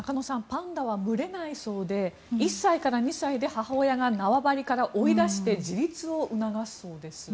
パンダは群れないそうで１歳から２歳で母親が縄張りから追い出して自立を促すそうです。